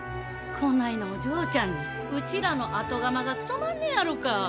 こないなお嬢ちゃんにうちらの後釜が務まんねやろか？